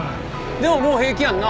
でももう平気やんな？